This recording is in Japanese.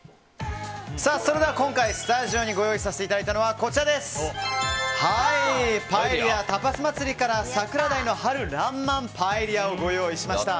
それでは、今回スタジオにご用意したのはパエリア・タパス祭りから桜鯛の春爛漫パエリアをご用意しました。